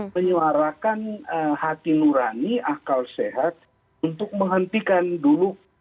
menyuarakan hati nurani akal sehat untuk menghentikan dulu